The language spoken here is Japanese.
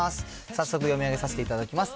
早速読み上げさせていただきます。